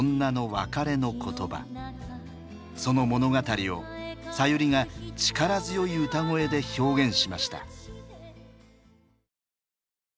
その物語をさゆりが力強い歌声で表現しました。